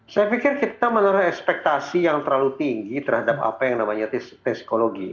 saya pikir kita menurut ekspektasi yang terlalu tinggi terhadap apa yang namanya psikologi